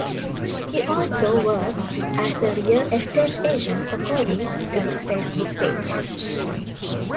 He also works as a real estate agent according to his Facebook page.